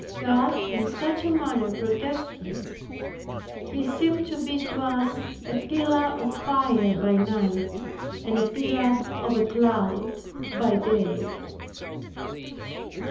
God in such a manner protected us. He seemed to be to us "a pillar of fire by night, and a pillar of a cloud by day."